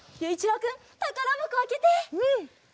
うん！